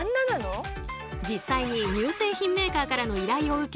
実際に乳製品メーカーからの依頼を受け